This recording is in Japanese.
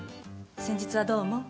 先日はどうも。